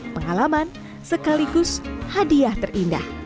pengalaman sekaligus hadiah terindah